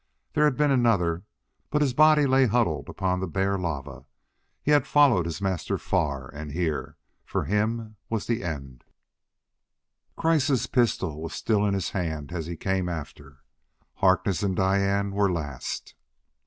There had been another, but his body lay huddled upon the bare lava. He had followed his master far and here, for him, was the end. Kreiss' pistol was still in his hand as he came after. Harkness and Diane were last.